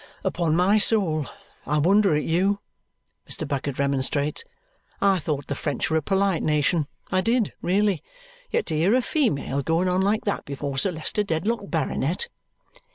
"Upon my soul I wonder at you!" Mr. Bucket remonstrates. "I thought the French were a polite nation, I did, really. Yet to hear a female going on like that before Sir Leicester Dedlock, Baronet!"